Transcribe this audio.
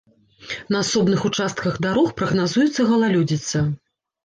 На асобных участках дарог прагназуецца галалёдзіца.